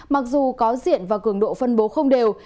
mặc dù có diện và cường độ phân bố không đều